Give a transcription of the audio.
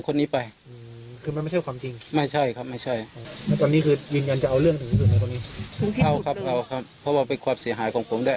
ตรงนี้ถึงที่สุดเอาครับเอาครับเพราะว่าเป็นความเสียหายของผมได้